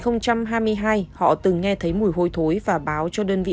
năm hai nghìn hai mươi hai họ từng nghe thấy mùi hôi thối và báo cho đơn vị